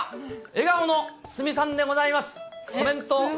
笑顔の鷲見さんでございます。